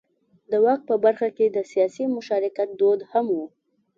د واک په برخه کې د سیاسي مشارکت دود هم و.